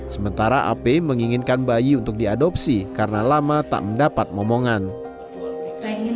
secara ap menginginkan bayi untuk diadopsi karena lama tak mendapat ngomongan saya ingin